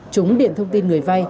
chúng điện thông tin người vay